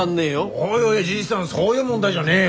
おいおいじいさんそういう問題じゃねえよ。